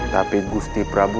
tapi gusti prabu